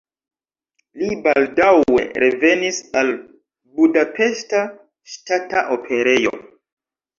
Li baldaŭe revenis al Budapeŝta Ŝtata Operejo.